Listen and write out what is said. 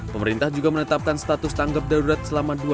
pemerintah juga menetapkan status tanggap darurat selama dua hari